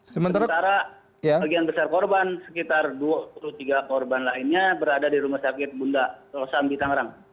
sementara bagian besar korban sekitar dua puluh tiga korban lainnya berada di rumah sakit bunda kosambi tangerang